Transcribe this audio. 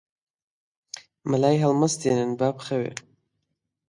مەلای هەڵمەستێنن با بخەوێ